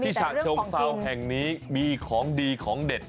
ฉะเชิงเซาแห่งนี้มีของดีของเด็ด